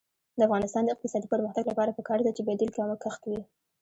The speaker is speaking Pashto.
د افغانستان د اقتصادي پرمختګ لپاره پکار ده چې بدیل کښت وي.